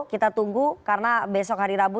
kita tunggu karena besok hari rabu